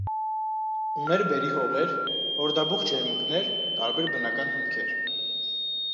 Ուներ բերրի հողեր, հորդաբուխ ջերմուկներ, տարբեր բնական հումքեր։